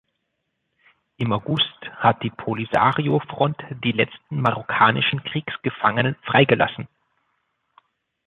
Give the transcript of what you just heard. Im August hat die Polisario-Front die letzten marokkanischen Kriegsgefangenen freigelassen.